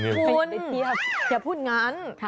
คุณอย่าพูดงั้น